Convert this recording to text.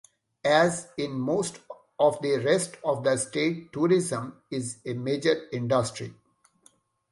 As in most of the rest of the state, tourism is a major industry.